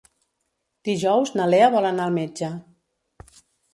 Dijous na Lea vol anar al metge.